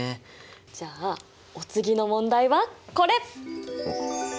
じゃあお次の問題はこれ。